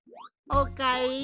おかえり。